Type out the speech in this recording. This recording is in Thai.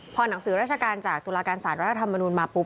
พอหนังสือราชการจากตุลาการสารรัฐธรรมนุนมาปุ๊บ